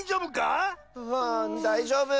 ううんだいじょうぶ。